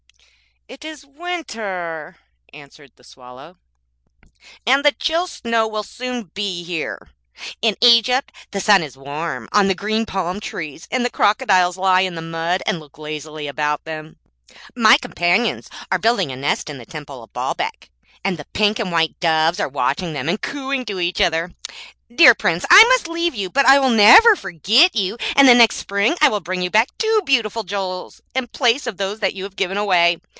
'It is winter,' answered the Swallow, and the chill snow will soon be here. In Egypt the sun is warm on the green palm trees, and the crocodiles lie in the mud and look lazily about them. My companions are building a nest in the Temple of Baalbec, and the pink and white doves are watching them, and cooing to each other. Dear Prince, I must leave you, but I will never forget you, and next spring I will bring you back two beautiful jewels in place of those you have given away.